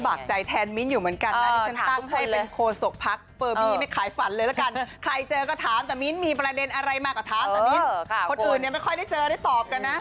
ใจแทนมิ้นท์อยู่เหมือนกันนะที่ฉันตั้งให้เป็นโคศกพักเฟอร์บี้ไม่ขายฝันเลยละกันใครเจอก็ถามแต่มิ้นมีประเด็นอะไรมาก็ถามแต่มิ้นคนอื่นเนี่ยไม่ค่อยได้เจอได้ตอบกันนะ